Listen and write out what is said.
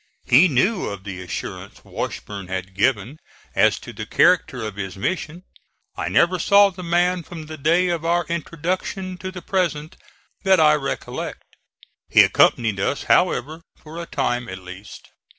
He knew of the assurance Washburne had given as to the character of his mission. I never saw the man from the day of our introduction to the present that I recollect. He accompanied us, however, for a time at least.